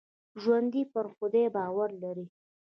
ژوندي پر خدای باور لري